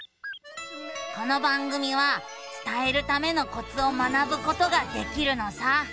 この番組は伝えるためのコツを学ぶことができるのさ。